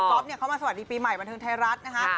ก๊อปเขามาสวัสดีปีใหม่บันทึงไทยรัฐนะฮะ